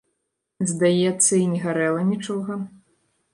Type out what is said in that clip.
Здаецца, і не гарэла нічога.